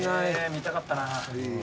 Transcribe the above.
見たかったな。